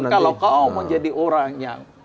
jadi jangan kalau kau menjadi orang yang